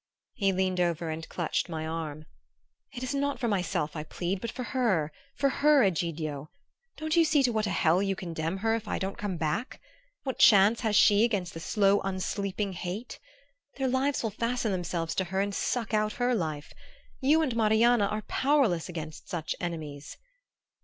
He leaned over and clutched my arm. "It is not for myself I plead but for her for her, Egidio! Don't you see to what a hell you condemn her if I don't come back? What chance has she against that slow unsleeping hate? Their lies will fasten themselves to her and suck out her life. You and Marianna are powerless against such enemies."